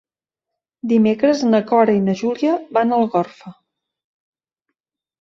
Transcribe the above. Dimecres na Cora i na Júlia van a Algorfa.